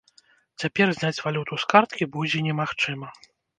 Цяпер зняць валюту з карткі будзе немагчыма.